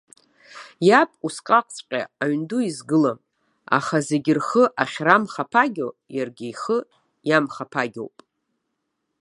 Иаб усҟакҵәҟьа аҩн ду изгылам, аха зегьы рхы ахьрамхаԥагьоу, иаргьы ихы иамхаԥагьоуп.